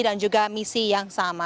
dan juga misi yang sama